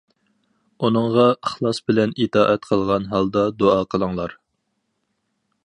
ئۇنىڭغا ئىخلاس بىلەن ئىتائەت قىلغان ھالدا دۇئا قىلىڭلار.